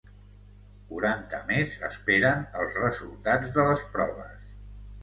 Quaranta més esperen els resultats de les proves.